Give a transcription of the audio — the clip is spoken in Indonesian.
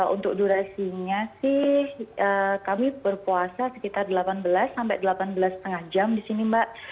untuk durasinya sih kami berpuasa sekitar delapan belas sampai delapan belas lima jam di sini mbak